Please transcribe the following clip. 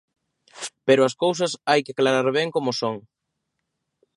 Pero as cousas hai que aclarar ben como son.